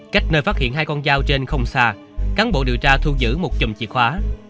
cách nơi phát hiện hai con dao trên không xa cán bộ điều tra thu giữ một chùm chìa khóa